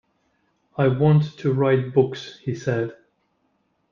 “I want to write books,” he said.